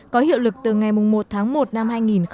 có hiệu lực từ ngày một tháng một năm hai nghìn một mươi bảy